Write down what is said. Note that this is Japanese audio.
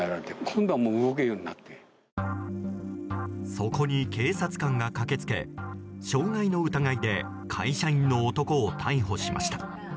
そこに警察官が駆け付け傷害の疑いで会社員の男を逮捕しました。